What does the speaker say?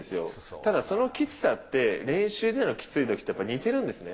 ただ、そのきつさって、練習でのきついときとやっぱり似てるんですね。